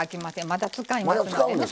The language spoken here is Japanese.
まだ使いますのでね。